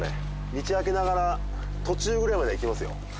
道開けながら途中ぐらいまでいきますよ